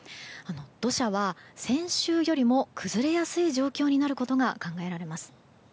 土砂は先週よりも崩れやすい状況になることが考えられます。